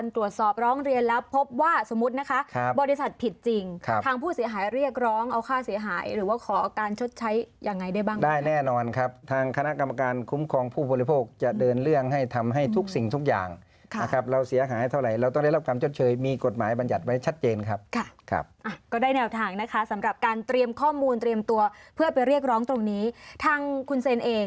ทางผู้เสียหายเรียกร้องเอาค่าเสียหายหรือว่าขอการชดใช้ยังไงได้บ้างได้แน่นอนครับทางคณะกรรมการคุ้มครองผู้พลโภคจะเดินเรื่องให้ทำให้ทุกสิ่งทุกอย่างครับเราเสียหายเท่าไหร่เราต้องได้รับการชดเชยมีกฎหมายบรรยัติไว้ชัดเจนครับก็ได้แนวทางนะคะสำหรับการเตรียมข้อมูลเตรียมตัวเพื่อไปเรียกร้องตร